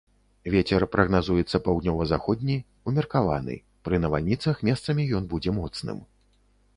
Вецер прагназуецца паўднёва-заходні, умеркаваны, пры навальніцах месцамі ён будзе моцным.